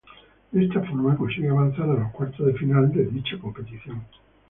De esta forma consigue avanzar a los cuartos de final de dicha competición.